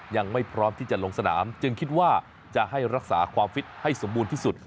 ยังไม่พร้อมที่จะลงสนามจึงคิดว่าจะให้รักษาความฟิตให้สมบูรณ์ที่สุด